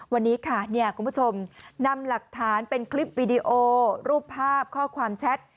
วันนี้ค่ะคุณผู้ชมนำหลักฐานเป็นคลิปวีดีโอรูปภาพข้อความแชท